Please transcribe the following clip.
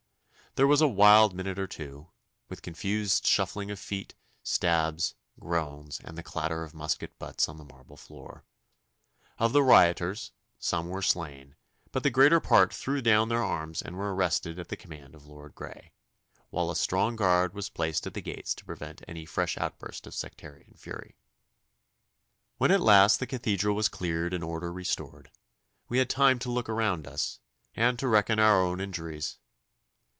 There was a wild minute or two, with confused shuffling of feet, stabs, groans, and the clatter of musket butts on the marble floor. Of the rioters some were slain, but the greater part threw down their arms and were arrested at the command of Lord Grey, while a strong guard was placed at the gates to prevent any fresh outburst of sectarian fury. When at last the Cathedral was cleared and order restored, we had time to look around us and to reckon our own injuries.